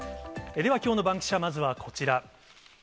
ではきょうのバンキシャ、まずはこちら。